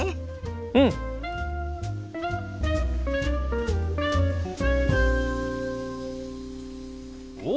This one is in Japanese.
うん！おっ！